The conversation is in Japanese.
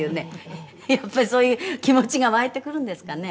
やっぱりそういう気持ちが湧いてくるんですかね